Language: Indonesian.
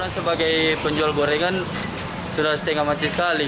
sebagai penjual gorengan sudah setengah mati sekali